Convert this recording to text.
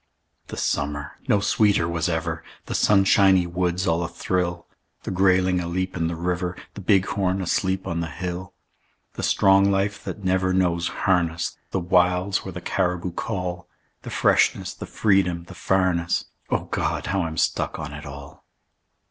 The summer no sweeter was ever; The sunshiny woods all athrill; The grayling aleap in the river, The bighorn asleep on the hill. The strong life that never knows harness; The wilds where the caribou call; The freshness, the freedom, the farness O God! how I'm stuck on it all.